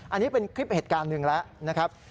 อันนี้เป็นคลิปเหตุการณ์หนึ่งแล้วนะครับ